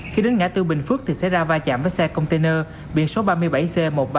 khi đến ngã tư bình phước thì xảy ra va chạm với xe container biển số ba mươi bảy c một mươi ba nghìn sáu trăm tám mươi sáu